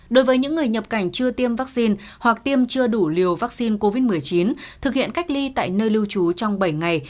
đối với những người nhập cảnh chưa tiêm vaccine hoặc tiêm chưa đủ liều vaccine covid một mươi chín thực hiện cách ly tại nơi lưu trú trong bảy ngày